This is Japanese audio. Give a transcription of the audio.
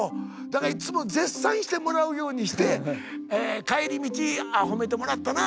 だからいっつも絶賛してもらうようにして帰り道「あ褒めてもらったな」。